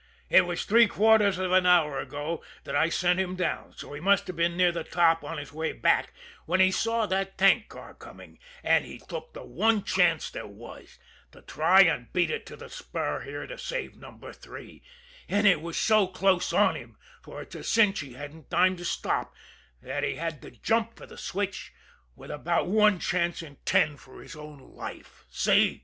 It was three quarters of an hour ago that I sent him down, so he must have been near the top on his way back when he saw the tank car coming and he took the one chance there was to try and beat it to the spur here to save Number Three; and it was so close on him, for it's a cinch he hadn't time to stop, that he had to jump for the switch with about one chance in ten for his own life see?"